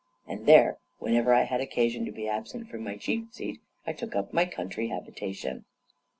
And there, whenever I had occasion to be absent from my chief seat, I took up my country habitation.